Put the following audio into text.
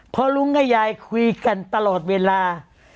เพราะลุงกับยายคุยกันตลอดเวลา